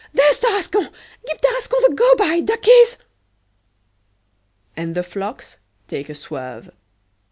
there's Tarascon! give Tarascon the go by, duckies!" And the flocks take a swerve.